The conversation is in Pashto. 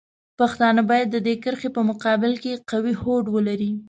پښتانه باید د دې کرښې په مقابل کې قوي هوډ ولري.